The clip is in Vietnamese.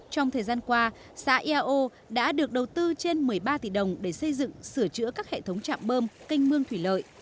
trong thời gian qua xã eao đã được đầu tư trên một mươi ba tỷ đồng để xây dựng sửa chữa các hệ thống trạm bơm canh mương thủy lợi